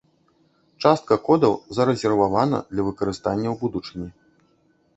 Частка кодаў зарэзервавана для выкарыстання ў будучыні.